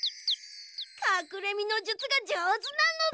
かくれみのじゅつがじょうずなのだ。